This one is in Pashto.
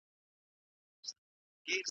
تعلیمي نصاب باید له بازار سره سم وي.